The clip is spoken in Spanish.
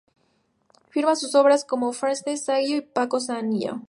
Firma sus obras como Francesc Sanguino o Paco Sanguino.